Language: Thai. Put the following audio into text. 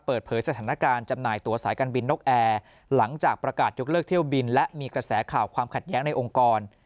เปิดเผยสถานการณ์จำหน่ายตัวสายการบินนกแอร์หลังจากประกาศยกเลิกเที่ยวบินและมีกระแสข่าวความขัดแย้งในองค์กร